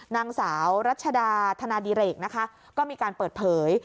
นางสาวรัชดาธนาดิเรกนะคะก็มีการเปิดเผย